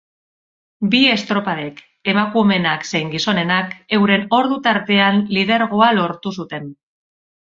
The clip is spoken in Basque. Bi estropadek, emakumeenak zein gizonenak, euren ordu-tartean lidergoa lortu zuten.